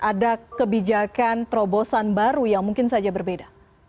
ada kebijakan terobosan baru yang mungkin saja berbeda